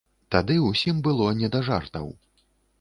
Тады ўсім было не да жартаў.